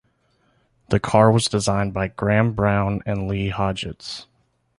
The car was designed by Graham Browne and Lee Hodgetts.